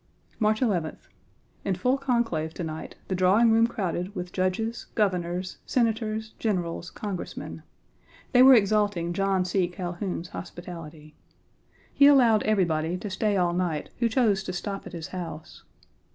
March 11th. In full conclave to night, the drawing room crowded with Judges, Governors, Senators, Generals, Congressmen. They were exalting John C. Calhoun's hospitality. He allowed everybody to stay all night who chose to stop at his house.